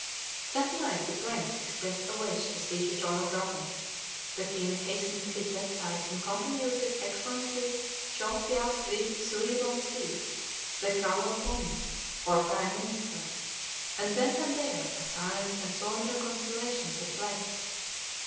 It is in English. That night the prince expressed a wish to see his royal brother. The king hastened to his bedside in company with his Excellency Chow Phya Sri Sury Wongse, the Kralahome, or prime minister; and then and there a silent and solemn reconciliation took place.